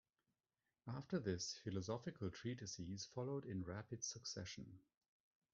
After this, philosophical treatises followed in rapid succession.